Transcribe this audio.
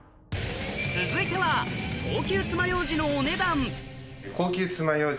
続いては高級つまようじのお値段高級つまようじ